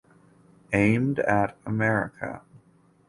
Aimed at America.